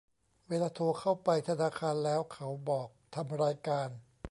เวลาโทรเข้าไปธนาคารแล้วเขาบอก "ทำรายการ"